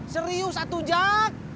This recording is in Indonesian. serius satu jak